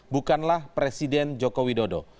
bukanlah presiden joko widodo